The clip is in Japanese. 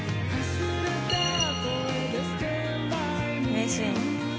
名シーン。